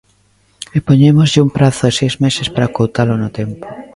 E poñémoslle un prazo de seis meses para acoutalo no tempo.